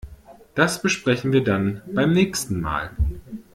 Das besprechen wir dann beim nächsten Mal.